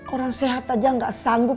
orang sehat aja nggak sanggup